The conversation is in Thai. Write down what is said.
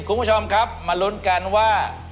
คุณผู้ชมครับมาลุ้นกันว่า